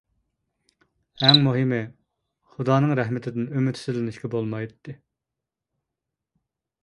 ئەڭ مۇھىمى، خۇدانىڭ رەھمىتىدىن ئۈمىدسىزلىنىشكە بولمايتتى.